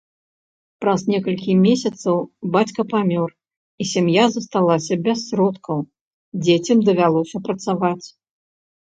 Праз некалькі месяцаў бацька памёр, і сям'я засталася без сродкаў, дзецям давялося працаваць.